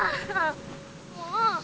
もう！